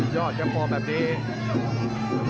ยอดครับมอแบบนี้